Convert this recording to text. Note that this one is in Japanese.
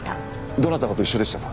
どなたかと一緒でしたか？